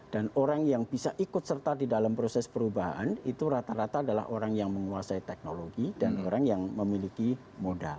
dan orang yang bisa ikut serta di dalam proses perubahan itu rata rata adalah orang yang menguasai teknologi dan orang yang memiliki modal